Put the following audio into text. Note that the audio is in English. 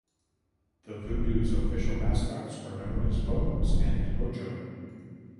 The VooDoo's official mascots were known as Bones and Mojo.